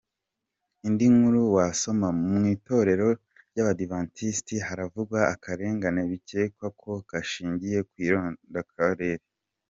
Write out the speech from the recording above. Indi nkuru wasoma:Mu Itorero ry’Abadivantisiti haravugwa akarengane bikekwa ko gashingiye ku irondakarere.